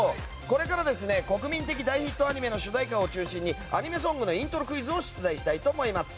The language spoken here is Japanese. これから国民的大ヒットアニメの主題歌を中心にアニメソングのイントロクイズを出題したいと思います。